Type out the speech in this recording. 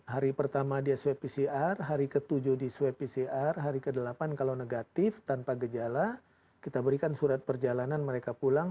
hari pertama dia swab pcr hari ke tujuh di swab pcr hari ke delapan kalau negatif tanpa gejala kita berikan surat perjalanan mereka pulang